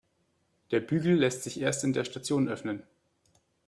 Der Bügel lässt sich erst in der Station öffnen.